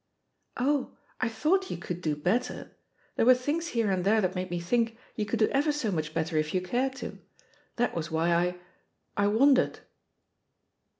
"Oh, I thought you could do better. There were things here and there that made me think you could do ever so much better, if you cared to. That was why I — I wondered."